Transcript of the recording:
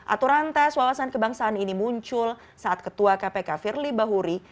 aturan tes wawasan kebangsaan ini muncul saat ketua kpk firly bahuri